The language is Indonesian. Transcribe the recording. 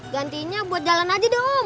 gantinya buat jalan aja deh om